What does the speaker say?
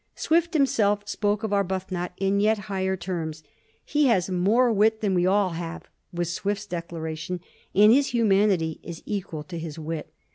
Swift himself spoko of Arbuthnot in yet higher terms. ^^ He has more wit than we all have," was Swift's declaration, '^ and his hu manity is equal to his wit."